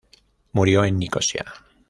Murió en Nicosia.